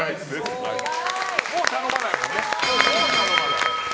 もう頼まないですね。